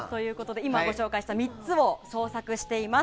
今ご紹介した３つを捜索しています。